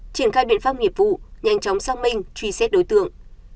triển khai biện pháp nghiệp vụ nhanh chóng xác minh truy xét đối tượng